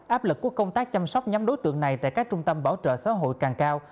áp lực của công tác chăm sóc nhóm đối tượng này tại các trung tâm bảo trợ xã hội càng cao